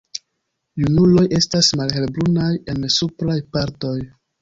Junuloj estas malhelbrunaj en supraj partoj.